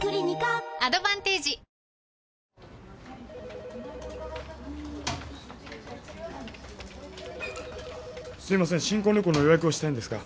クリニカアドバンテージすいません新婚旅行の予約をしたいんですが。